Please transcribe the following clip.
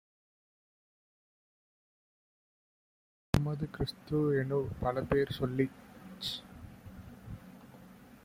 கம்மது, கிறிஸ்து-எனும் பலபேர் சொல்லிச்